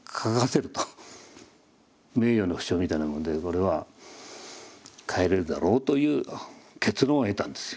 名誉の負傷みたいなもんでこれは帰れるだろうという結論を得たんですよ。